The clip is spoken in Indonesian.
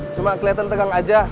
cuma kelihatan tegang aja